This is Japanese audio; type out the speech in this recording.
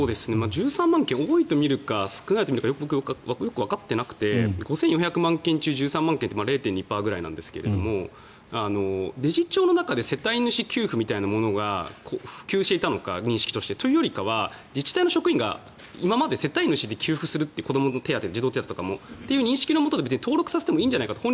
１３万件を多いとみるか少ないとみるか、僕はよくわかっていなくて５４００万件中１３万件って０．２％ぐらいですがデジ庁の中で世帯主給付みたいなものが普及していたのか、認識として。というよりかは自治体の職員が今まで世帯主で給付する、子どもの児童手当とかもそういう認識のもとで登録させてもいいんじゃないかと。